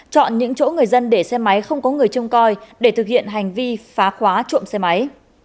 chọn những chỗ người dân để xe máy không có người trông coi để thực hiện hành vi phá khóa trộm xe máy